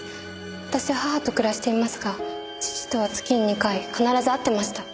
私は母と暮らしていますが父とは月に２回必ず会ってました。